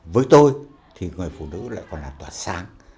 với tôi thì người phụ nữ lại còn là tỏa sáng